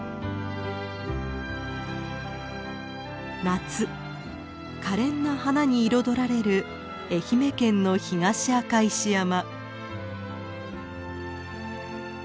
夏かれんな花に彩られる愛媛県の東赤石山。